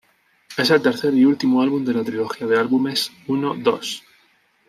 Es el tercer y último álbum de la trilogía de álbumes "¡Uno!, ¡Dos!